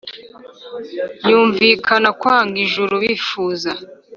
yumvikana kwanga ijuru bifuza